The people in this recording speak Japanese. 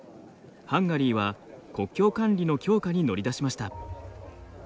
ハンガリーは国境管理の強化に乗り出しました。